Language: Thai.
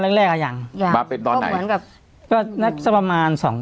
แรกแรกอ่ะยังยังมาเป็นตอนไหนเหมือนกับก็นัดสักประมาณสอง